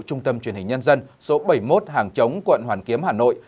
trung tâm truyền hình nhân dân số bảy mươi một hàng chống quận hoàn kiếm hà nội